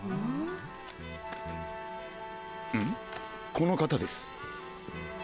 この方です。